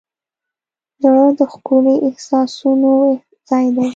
زړه د ښکلي احساسونو ځای دی.